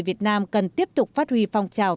việt nam cần tiếp tục phát huy phong trào